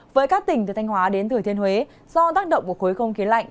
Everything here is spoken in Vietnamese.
với các tỉnh từ thanh hóa đến thừa thiên huế do tác động của khối không khí lạnh